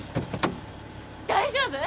大丈夫！？